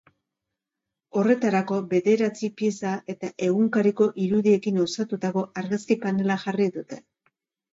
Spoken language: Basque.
Horretarako, bederatzi pieza eta egunkariko irudiekin osatutako argazki-panela jarri dute.